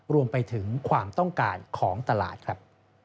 รวมไปถึงความต้องการของตลาดครับ